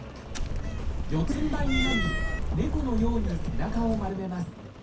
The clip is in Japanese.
四つんばいになり猫のように背中を丸めます。